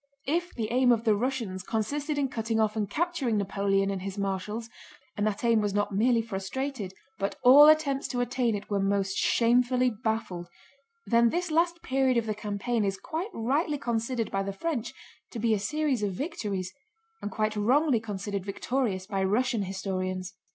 If the aim of the Russians consisted in cutting off and capturing Napoleon and his marshals—and that aim was not merely frustrated but all attempts to attain it were most shamefully baffled—then this last period of the campaign is quite rightly considered by the French to be a series of victories, and quite wrongly considered victorious by Russian historians.